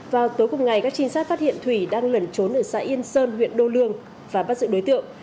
vào tối cùng ngày các trinh sát phát hiện thủy đang lẩn trốn ở xã yên sơn huyện đô lương và bắt giữ đối tượng